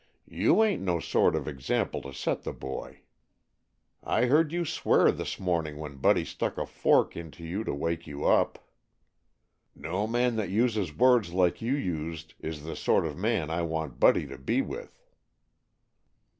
"You ain't no sort of example to set the boy. I heard you swear this morning when Buddy stuck a fork into you to wake you up. No man that uses words like you used is the sort of man I want Buddy to be with."